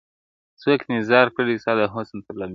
څوک انتظار کړي، ستا د حُسن تر لمبې پوري.